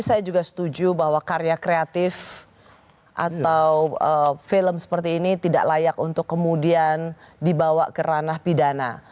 saya juga setuju bahwa karya kreatif atau film seperti ini tidak layak untuk kemudian dibawa ke ranah pidana